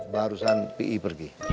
barusan pi pergi